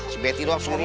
sebeti doang seharian